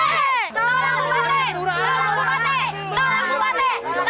tolak bupati tolak bupati